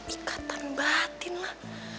ikatan batin lah